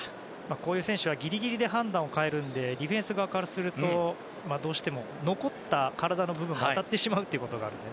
こういう選手はギリギリで判断を変えるのでディフェンス側からするとどうしても、残った体の部分が当たってしまうことがあるので。